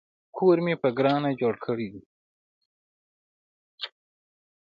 کور مې په ګرانه جوړ کړی دی